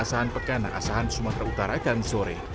asahan pekana asahan sumatera utara kan sore